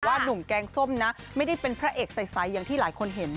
หนุ่มแกงส้มนะไม่ได้เป็นพระเอกใสอย่างที่หลายคนเห็น